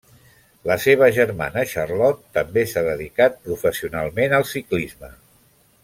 La seva germana Charlotte també s'ha dedicat professionalment al ciclisme.